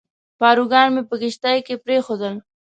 پاروګان مې په کښتۍ کې پرېښوول.